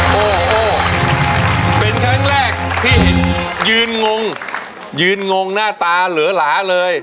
โอ้โหเป็นครั้งแรกที่ยืนงงยืนงงหน้าตาเหลือหลาเลย